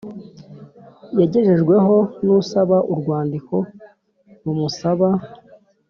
yagejejweho n usaba urwandiko rumusaba